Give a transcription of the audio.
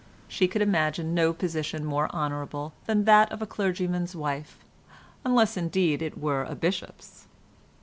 She could imagine no position more honourable than that of a clergyman's wife unless indeed it were a bishop's.